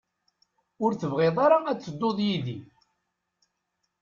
Ur tebɣiḍ ara ad tedduḍ yid-i.